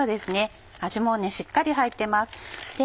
味もしっかり入ってます。